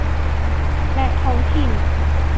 และท้องถิ่น